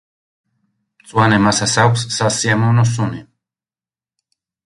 მწვანე მასას აქვს სასიამოვნო სუნი.